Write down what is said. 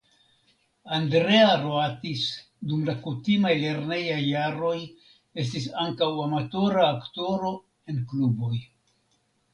Andrea Roatis dum la kutimaj lernejaj jaroj estis ankaŭ amatora aktoro en kluboj.